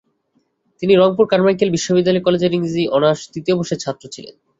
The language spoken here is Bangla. তিনি রংপুর কারমাইকেল বিশ্ববিদ্যালয় কলেজের ইংরেজি অনার্স তৃতীয় বর্ষের ছাত্র ছিলেন।